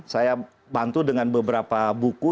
saya bantu dengan beberapa buku